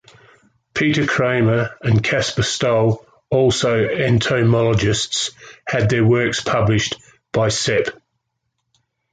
Pieter Cramer and Caspar Stoll, also entomologists, had their works published by Sepp.